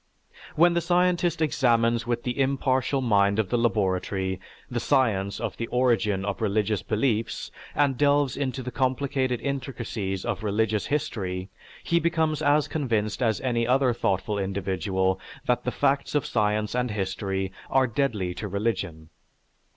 When the scientist examines with the impartial mind of the laboratory the science of the origin of religious beliefs and delves into the complicated intricacies of religious history, he becomes as convinced as any other thoughtful individual that the facts of science and history are deadly to religion.